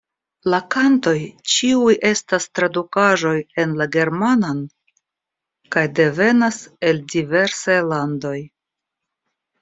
La kantoj ĉiuj estas tradukaĵoj en la germanan kaj devenas el diversaj landoj.